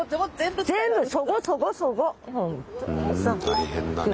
大変だね。